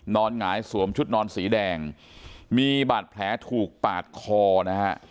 หงายสวมชุดนอนสีแดงมีบาดแผลถูกปาดคอนะฮะ